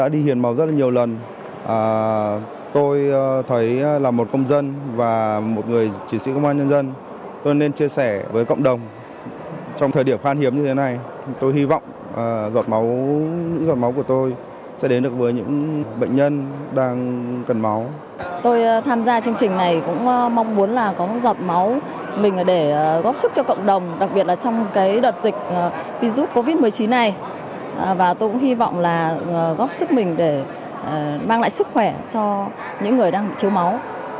vì rút covid một mươi chín này và tôi cũng hy vọng là góp sức mình để mang lại sức khỏe cho những người đang thiếu máu